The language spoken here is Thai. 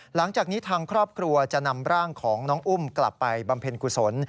หลังจากนี้ทางครอบครัวจะนำร่างของน้องอุ้มกลับไปบำเพ็ญกุศล